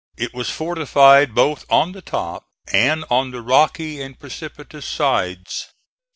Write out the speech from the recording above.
It was fortified both on the top and on the rocky and precipitous sides.